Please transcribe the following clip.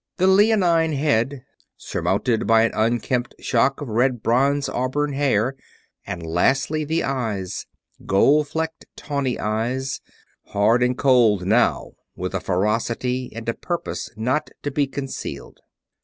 The leonine head, surmounted by an unkempt shock of red bronze auburn hair. And, lastly, the eyes gold flecked, tawny eyes hard and cold now with a ferocity and a purpose not to be concealed.